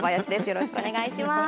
よろしくお願いします。